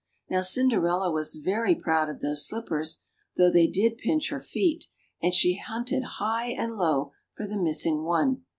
Now, Cinderella was very proud of those slippers, though they did pinch her feet ; and she hunted high and low for the missing one.